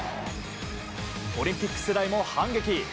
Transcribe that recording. オリンピック世代も反撃。